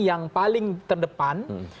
yang paling terdepan